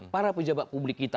para pejabat publik kita